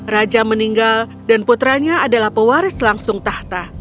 raja meninggal dan putranya adalah pewaris langsung tahta